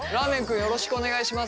よろしくお願いします。